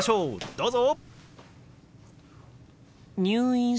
どうぞ。